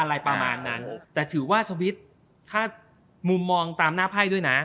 อะไรประมาณนั้นแต่ถือว่าสวิตช์ถ้ามุมมองตามหน้าไพ่ด้วยนะ